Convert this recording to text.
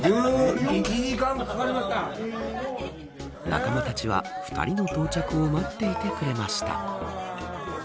仲間たちは２人の到着を待っていてくれました。